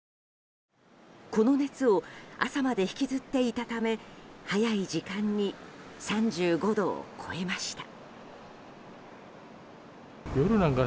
この熱を朝まで引きずっていたため早い時間に３５度を超えました。